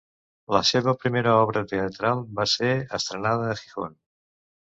La seva primera obra teatral va ser estrenada a Gijón.